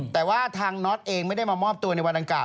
แต่ว่าทางน็อตเองไม่ได้มามอบตัวในวันดังกล่า